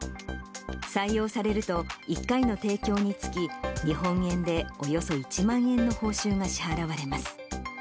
採用されると、１回の提供につき、日本円でおよそ１万円の報酬が支払われます。